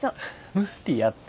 無理やて。